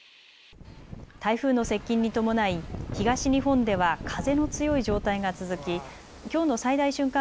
台風の接近に伴い東日本では風の強い状態が続ききょうの最大瞬間